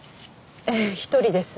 ええ１人です。